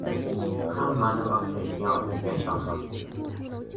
Hammani maqtaydigan odamga ishonma.